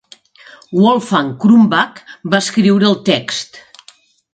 Wolfgang Krumbach va escriure el text.